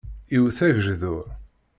Iwwet agejdur.